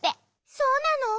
そうなの？